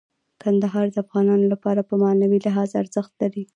کندهار د افغانانو لپاره په معنوي لحاظ ارزښت لري.